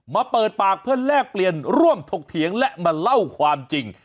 เปิดปากเพื่อแลกเปลี่ยนร่วมถกเถียงและมาเล่าความจริง